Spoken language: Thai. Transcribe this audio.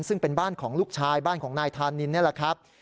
ซึ่งเป็นบ้านของลูกชายบ้านของนายธานินนี่แหละครับ